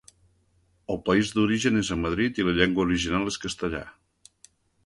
El país d'origen és a Madrid i la llengua original és castellà.